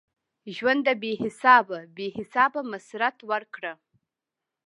ژونده بی حسابه ؛ بی حسابه مسرت ورکړه